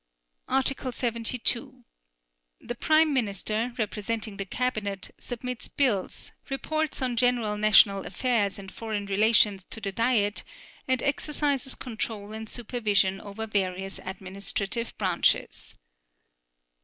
Article 72. The Prime Minister, representing the Cabinet, submits bills, reports on general national affairs and foreign relations to the Diet and exercises control and supervision over various administrative branches.